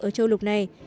ở châu lục này